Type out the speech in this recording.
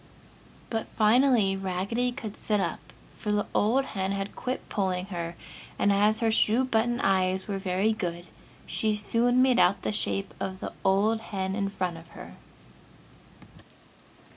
But, finally Raggedy could sit up, for the old hen had quit pulling her, and as her shoe button eyes were very good, she soon made out the shape of the old hen in front of her.